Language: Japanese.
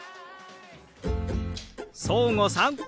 そうごさん